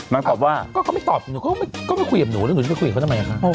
นางตอบว่าก็ไม่ตอบหนูก็ไม่คุยกับหนูหนูไม่คุยกับเขาทำไมนะครับ